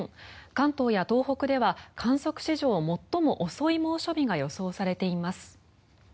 関東や東北では観測史上最も遅い猛暑日が予想されています。